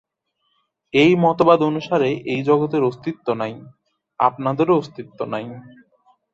এই মতবাদ অনুসারে এই জগতের অস্তিত্ব নাই, আপনাদেরও অস্তিত্ব নাই।